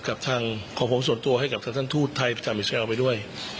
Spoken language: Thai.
กับทางของผมส่วนตัวให้กับทางท่านทูตไทยประจำอิสราเอลไปด้วย